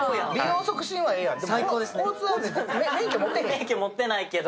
免許持ってないけど